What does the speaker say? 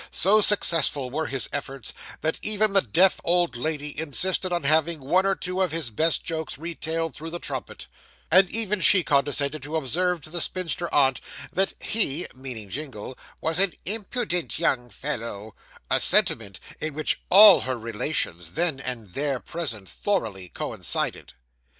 So successful were his efforts, that even the deaf old lady insisted on having one or two of his best jokes retailed through the trumpet; and even she condescended to observe to the spinster aunt, that 'He' (meaning Jingle) 'was an impudent young fellow:' a sentiment in which all her relations then and there present thoroughly coincided.